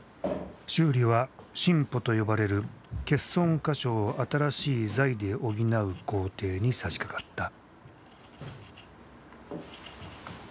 修理は新補と呼ばれる欠損箇所を新しい材で補う工程にさしかかった。